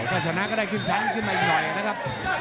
ถ้าชนะก็ได้ขึ้นชั้นขึ้นมาอีกหน่อยนะครับ